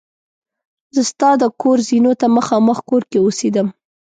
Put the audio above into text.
زه ستا د کور زینو ته مخامخ کور کې اوسېدم.